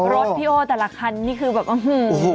รถพี่โอ้แต่ละคันนี่คือแบบ